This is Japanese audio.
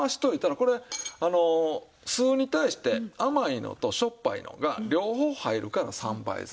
これ酢に対して甘いのとしょっぱいのが両方入るから三杯酢。